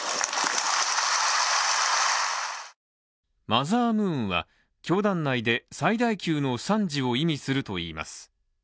マザームーンは、教団内で最大級の賛辞を意味するといいます。